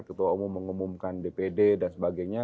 ketua umum mengumumkan dpd dan sebagainya